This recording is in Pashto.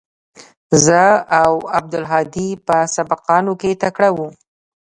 زه او عبدالهادي په سبقانو کښې تکړه وو.